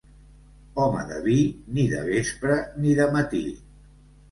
Home de vi, ni de vespre ni de matí.